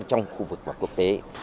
trong khu vực của quốc tế